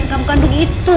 kamu kandung itu